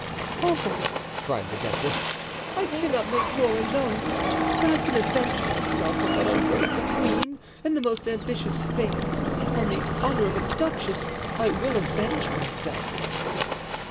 "Oh," cried the duchess, "I cannot make war alone, but I can avenge myself on that ungrateful queen and most ambitious favorite on the honor of a duchess, I will avenge myself."